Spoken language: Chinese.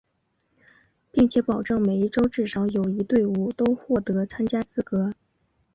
并且保证每一洲至少有一队伍都获得参加资格。